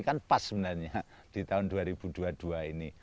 kan pas sebenarnya di tahun dua ribu dua puluh dua ini